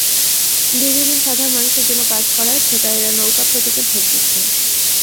দীর্ঘদিন সাধারণ মানুষের জন্য কাজ করায় ভোটারেরা নৌকা প্রতীকে ভোট দিচ্ছেন।